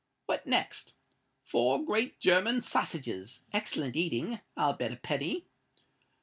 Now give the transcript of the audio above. What next? Four great German sassages—excellent eating, I'll bet a penny!